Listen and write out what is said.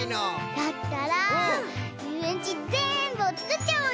だったらゆうえんちぜんぶをつくっちゃおうよ！